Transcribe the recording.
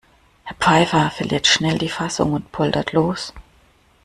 Herr Pfeiffer verliert schnell die Fassung und poltert los.